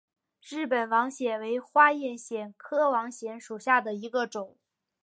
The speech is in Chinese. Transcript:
日本网藓为花叶藓科网藓属下的一个种。